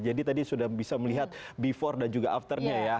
jadi tadi sudah bisa melihat before dan juga afternya ya